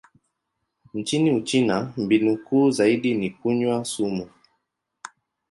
Nchini Uchina, mbinu kuu zaidi ni kunywa sumu.